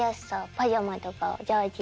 パジャマとかジャージ。